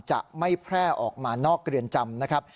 จะไม่แพร่ออกมานอกเรือนจำนะครับ